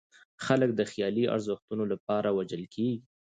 خلک د خیالي ارزښتونو لپاره وژل کېږي.